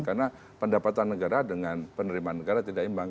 karena pendapatan negara dengan penerimaan negara tidak imbang